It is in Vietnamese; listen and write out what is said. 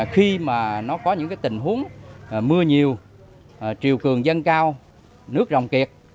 khi mà nó có những tình huống mưa nhiều triều cường dân cao nước rồng kiệt